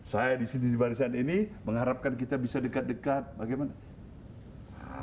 saya di barisan ini mengharapkan kita bisa dekat dekat bagaimana